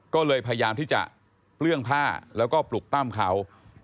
ก็เลยพยายามที่จะเปลื้องผ้าแล้วก็ปลุกปั้มเขา